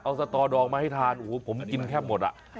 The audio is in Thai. เอาสตอดองมาให้ทานผมกินแค่หมด